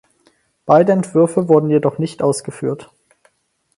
Beide Entwürfe wurden jedoch nicht ausgeführt.